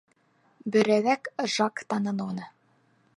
Берәҙәк Жак таныны уны.